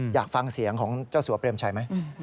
อยากฟังเสียงของเจ้าสัวเปรมชัยไหม